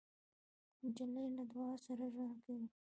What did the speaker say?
نجلۍ له دعا سره ژوند کوي.